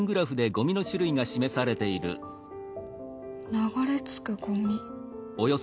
流れ着くゴミ。